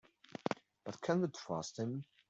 But can we trust him?